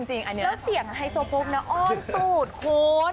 แล้วเสียงไฮโซโพกนะอ้อนสูตรคุณ